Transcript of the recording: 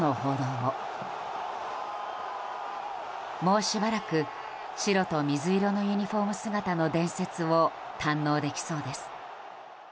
もうしばらく白と水色のユニホーム姿の伝説を堪能できそうです。